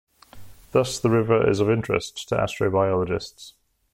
Thus the river is of interest to astrobiologists.